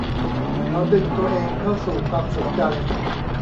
เขาดึงตัวเองเข้าสู่ความสนใจ